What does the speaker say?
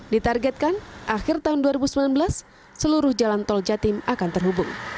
ditargetkan akhir tahun dua ribu sembilan belas seluruh jalan tol jatim akan terhubung